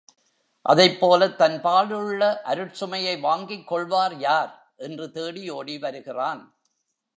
அதைப்போலத் தன்பாலுள்ள அருட்சுமையை வாங்கிக் கொள்வார் யார் என்று தேடி ஓடி வருகிறான்.